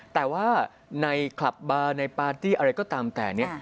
แต่ว่าในคลับบาร์ในปาร์ตี้อะไรก็ตามแต่เนี่ย